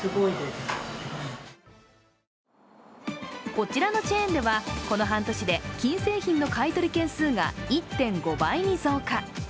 こちらのチェーンではこの半年で金製品の買い取り件数が１．５倍に増加。